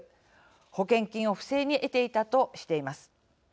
保険金を不正に得ていたとしています。